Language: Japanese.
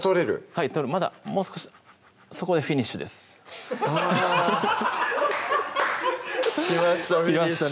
はいまだもう少しそこでフィニッシュですあきました